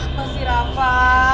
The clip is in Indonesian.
aduh apa sih rafa